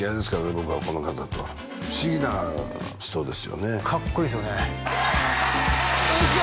僕はこの方とは不思議な人ですよねかっこいいですよねこんにちは